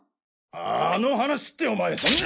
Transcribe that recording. あの話？ってお前そんな。